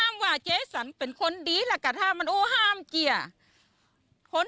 ซื้อโดนเจสันชอบเล่นโดนซื้อโดนหลายเครื่อง